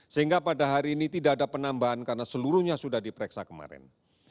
sehingga pada hari ini tidak ada penambahan karena seluruhnya sudah diperiksa kemarin